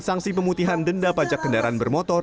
sanksi pemutihan denda pajak kendaraan bermotor